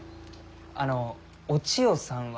あのお千代さんは。